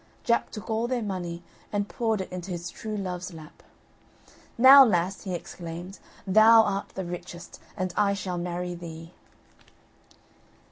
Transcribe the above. Jack took all their money and poured it into his truelove's lap. "Now, lass," he exclaimed, "thou art the richest, and I shall marry thee."